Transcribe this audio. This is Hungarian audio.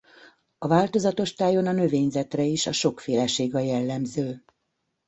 A változatos tájon a növényzetre is a sokféleség a jellemző.